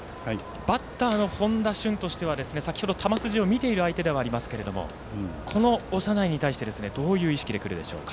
バッターの本多駿としては先ほど、球筋を見ている相手ではありますけれどもこの長内に対してどういう意識でくるでしょうか。